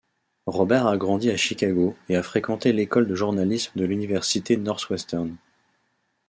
Robert a grandi à Chicago et a fréquenté l'école de journalisme de l'Université Northwestern.